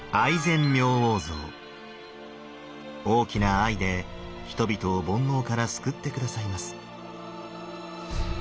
大きな愛で人々を煩悩から救って下さいます。